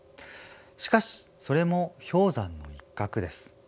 しかしそれも氷山の一角です。